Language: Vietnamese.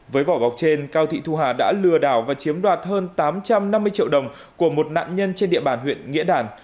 với vỏ bọc trên cao thị thu hà đã lừa đảo và chiếm đoạt hơn tám trăm năm mươi triệu đồng của một nạn nhân trên địa bàn huyện nghĩa đàn